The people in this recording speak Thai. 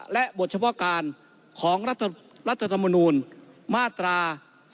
และบทเฉพาะการของรัฐธรรมนูลมาตรา๒๕๖